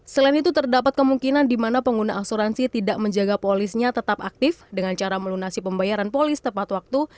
selain itu terdapat kemungkinan di mana pengguna asuransi tidak menjaga polisnya tetap aktif dengan cara melunasi pembayaran polis tepat waktu